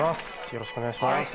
よろしくお願いします。